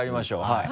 はい。